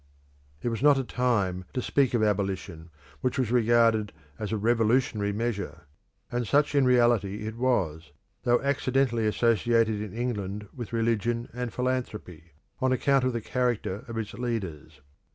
It was not a time to speak of abolition, which was regarded as a revolutionary measure. And such in reality it was, though accidentally associated in England with religion and philanthropy, on account of the character of its leaders.